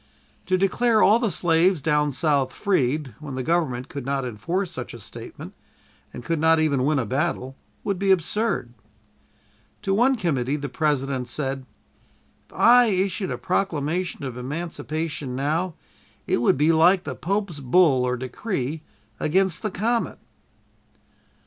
To declare all the slaves down South freed, when the Government could not enforce such a statement and could not even win a battle, would be absurd. To one committee the President said: "If I issued a proclamation of emancipation now it would be like the Pope's bull (or decree) against the comet!"